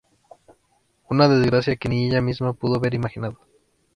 Una desgracia que ni ella misma pudo haber imaginado.